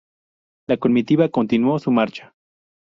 La comitiva continuó su marcha.